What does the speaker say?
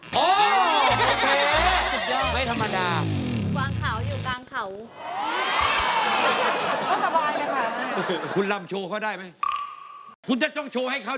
โอ้โฮโอเคสุดยอดไม่ธรรมดาคุณจะหันหน้าเข้าน้ำตกหรือคุณจะหันหลังครับ